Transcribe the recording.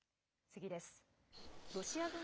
次です。